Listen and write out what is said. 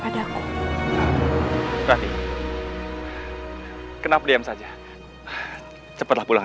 dia yakin araku akan ber fairy caan